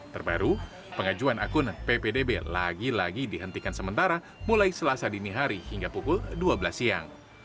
terbaru pengajuan akun ppdb lagi lagi dihentikan sementara mulai selasa dini hari hingga pukul dua belas siang